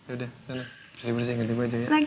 udah bersih bersih ganti baju aja ya